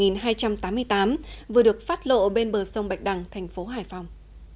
năm một nghìn hai trăm tám mươi vừa được phát lộ bên bờ sông bạch đằng thành phố hải phòng